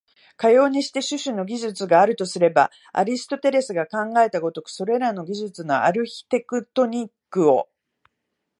かようにして種々の技術があるとすれば、アリストテレスが考えた如く、それらの技術のアルヒテクトニックを、